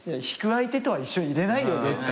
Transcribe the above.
引く相手とは一緒にいれないよ。